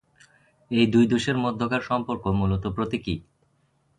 এই দুই দেশের মধ্যকার সম্পর্ক মূলত প্রতীকী।